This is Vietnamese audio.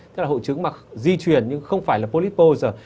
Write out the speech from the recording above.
tức là hội chứng mà di truyền nhưng không phải là polypose